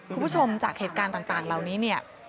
คุณผู้ชมจากเหตุการณ์ต่างเหล่านี้เนี่ย